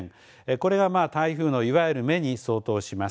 これは台風のいわゆる目に相当します。